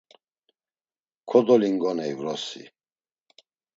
Kodolingoney vrosi.